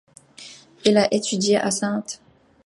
Il a étudié à St.